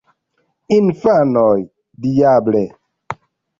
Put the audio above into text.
Infanoj: "Diable!"